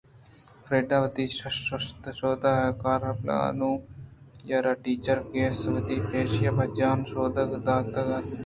فریڈا ءَ وتی شُشتءُشودءِ کار ہلّینتگ اَت ءُنوں آئی ءَ را ٹیچر گیسا(Gisa) ءَ وتی پِشّی پہ جان ءِ شودگ ءَ داتگ اَت